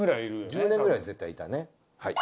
１０年くらい絶対いたね。